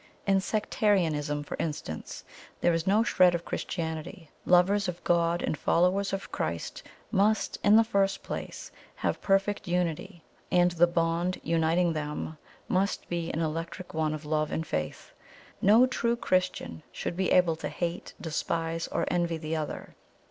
In Sectarianism, for instance, there is no shred of Christianity. Lovers of God and followers of Christ must, in the first place, have perfect Unity; and the bond uniting them must be an electric one of love and faith. No true Christian should be able to hate, despise, or envy the other.